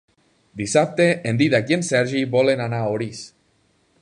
Dissabte en Dídac i en Sergi volen anar a Orís.